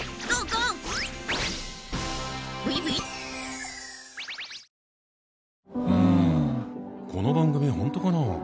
この番組本当かな？